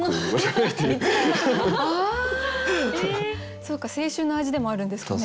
そうか青春の味でもあるんですかね